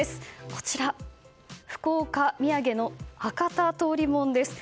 こちら、福岡土産の博多通りもんです。